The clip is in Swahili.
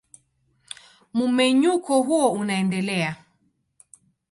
Mmenyuko huo unaendelea.